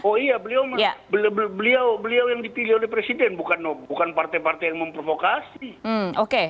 oh iya beliau yang dipilih oleh presiden bukan partai partai yang memprovokasi